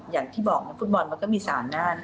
อย่างที่บอกนักฟุตบอลมันก็มี๓ด้าน